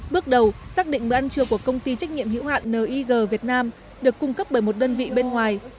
bước đầu xác định bữa ăn trưa của công ty trách nhiệm hữu hạn nir việt nam được cung cấp bởi một đơn vị bên ngoài